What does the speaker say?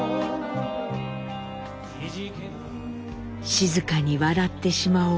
「静かに笑ってしまおう」。